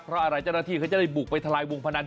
เพราะอะไรเจ้าหน้าที่เขาจะได้บุกไปทลายวงพนัน